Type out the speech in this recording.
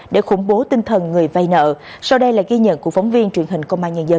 để khủng bố tinh thần người vay nợ sau đây là ghi nhận của phóng viên truyền hình công an nhân dân